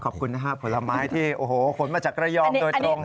ขอบคุณนะฮะผลไม้ที่โอ้โหขนมาจากระยองโดยตรง